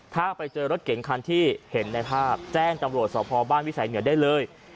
ถ้าไปเจอรถเก๋งคันที่เห็นในภาพแจ้งตำรวจสพบ้านวิสัยเหนือได้เลย